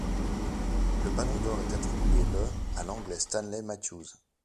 Le Ballon d'or est attribué le à l'Anglais Stanley Matthews.